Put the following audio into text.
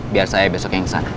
biar saya besok yang sah